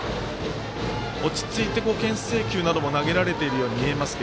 落ち着いて、けん制球なども投げているようですが。